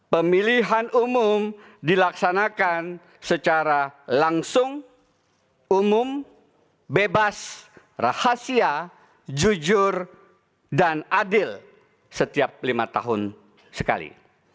pemilihan umum dilaksanakan secara langsung umum bebas rahasia jujur dan adil setiap lima tahun sekali